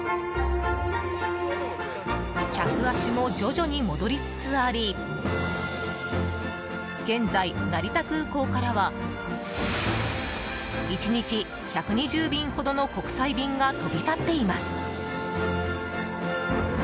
客足も徐々に戻りつつあり現在、成田空港からは１日１２０便ほどの国際便が飛び立っています。